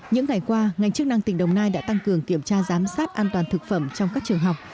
những ngày qua ngành chức năng tỉnh đồng nai đã tăng cường kiểm tra giám sát an toàn thực phẩm trong các trường học